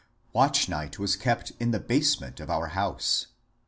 Watch Night was kept in the basement of our house.